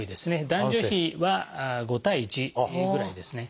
男女比は５対１ぐらいですね。